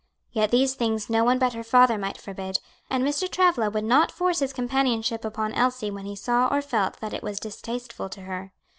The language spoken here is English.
Yet these things no one but her father might forbid, and Mr. Travilla would not force his companionship upon Elsie when he saw or felt that it was distasteful to her.